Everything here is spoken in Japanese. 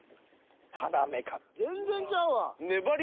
全然ちゃうわ！